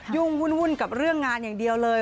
วุ่นกับเรื่องงานอย่างเดียวเลย